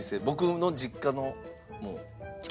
僕の実家のもう。